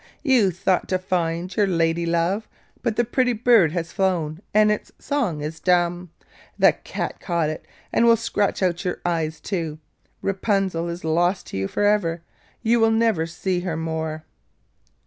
you thought to find your lady love, but the pretty bird has flown and its song is dumb; the cat caught it, and will scratch out your eyes too. Rapunzel is lost to you for ever—you will never see her more.